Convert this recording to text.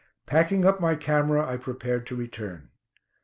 Packing up my camera, I prepared to return.